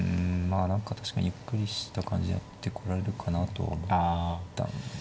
あ何か確かにゆっくりした感じでやってこられるかなと思ったんですけど。